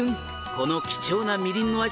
この貴重なみりんの味